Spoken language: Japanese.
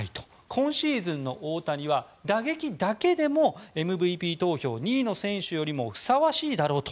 今シーズンの大谷は打撃だけでもＭＶＰ投票２位の選手よりもふさわしいだろうと。